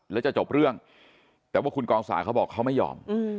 แล้วจะจบเรื่องแต่ว่าคุณกองสาเขาบอกเขาไม่ยอม